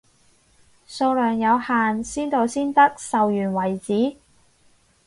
數量有限，先到先得，售完為止，